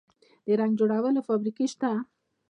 د رنګ جوړولو فابریکې شته؟